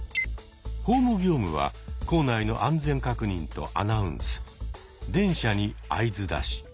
ホーム業務は構内の安全確認とアナウンス電車に合図出し。